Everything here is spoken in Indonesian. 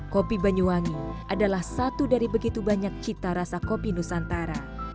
kopi banyuwangi adalah satu dari begitu banyak cita rasa kopi nusantara